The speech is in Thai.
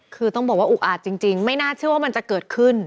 คือต้องบอกว่าอุกอาจจริงไม่น่าเชื่อว่ามันจะเกิดขึ้น